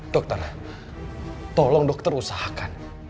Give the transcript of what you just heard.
dokter tolong dokter usahakan